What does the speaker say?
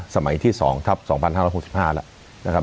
สมัยที่๒ทัพ๒๕๖๕แล้วนะครับ